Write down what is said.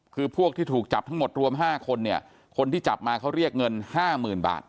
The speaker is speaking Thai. คือพวกที่ถูกจับทั้งหมดรวม๕คนเนี่ยคนที่จับมาเขาเรียกเงินห้าหมื่นบาท